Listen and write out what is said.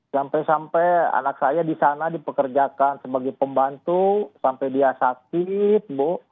sampai sampai anak saya di sana dipekerjakan sebagai pembantu sampai dia sakit bu